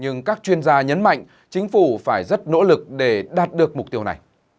nhưng các chuyên gia nhấn mạnh chính phủ phải rất nỗ lực để đạt được mục tiêu này